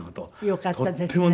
よかったですね。